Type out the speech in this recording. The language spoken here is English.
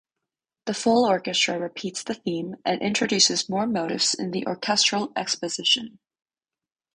The full orchestra repeats the theme and introduces more motifs in the orchestral exposition.